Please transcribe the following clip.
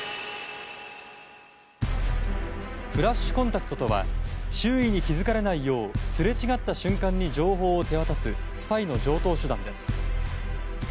フラッシュコンタクトとは周囲に気づかれないようすれ違った瞬間に情報を手渡すスパイの常とう手段です。